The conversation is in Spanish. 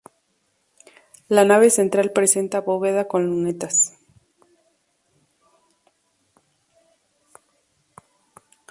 La nave central presenta bóveda con lunetas.